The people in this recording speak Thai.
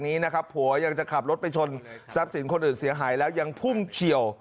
ถ้าผัวจะขับรถไปชนซัพสินน์คนอื่นเสียหายแล้วยังพุ่งเขี่ยว